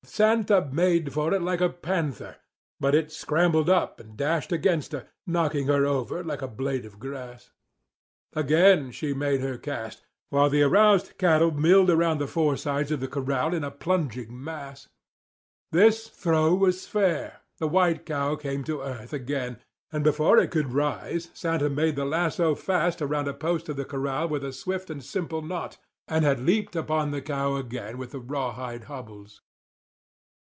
Santa made for it like a panther; but it scrambled up and dashed against her, knocking her over like a blade of grass. Again she made her cast, while the aroused cattle milled around the four sides of the corral in a plunging mass. This throw was fair; the white cow came to earth again; and before it could rise Santa had made the lasso fast around a post of the corral with a swift and simple knot, and had leaped upon the cow again with the rawhide hobbles.